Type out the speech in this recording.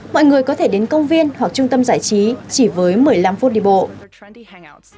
mọi người có thể đến công viên hoặc trung tâm giải trí chỉ với một mươi năm phút đi bộ